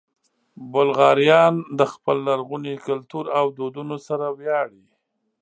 بلغاریان د خپل لرغوني کلتور او دودونو سره ویاړي.